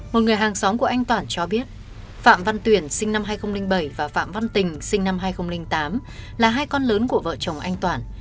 một người hàng xóm của anh toản cho biết phạm văn tuyển sinh năm hai nghìn bảy và phạm văn tình sinh năm hai nghìn tám là hai con lớn của vợ chồng anh toản